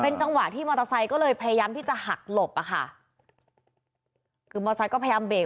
จังหวะที่มอเตอร์ไซค์ก็เลยพยายามที่จะหักหลบอ่ะค่ะคือมอเซก็พยายามเบรก